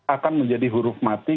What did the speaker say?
akan menjadi huruf mati